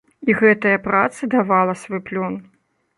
І гэтая праца давала свой плён.